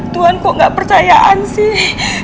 tuhan kok nggak percayaan sih